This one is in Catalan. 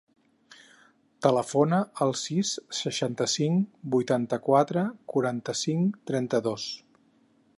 Telefona al sis, seixanta-cinc, vuitanta-quatre, quaranta-cinc, trenta-dos.